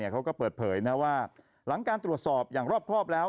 เขาก็เปิดเผยว่าหลังการตรวจสอบอย่างรอบครอบแล้ว